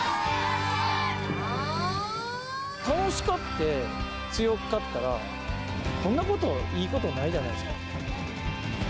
楽しくて、強かったら、こんなこと、いいことないじゃないですか。